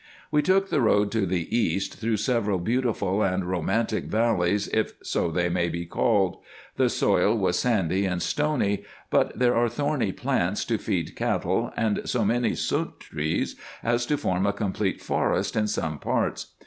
We took the road to the east through several beautiful and romantic valleys, if so they may be called. The soil was sandy and stony, but there are thorny plants to feed cattle, and so many sunt trees, as to form a complete forest in some parts.